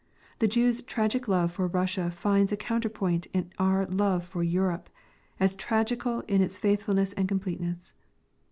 The Jews' tragic love for Russia finds a counterpart in our love for Europe, as tragical in its faithfulness and completeness.